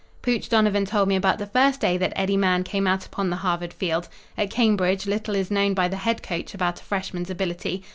Pooch Donovan told me about the first day that Eddie Mahan came out upon the Harvard field. At Cambridge, little is known by the head coach about a freshman's ability.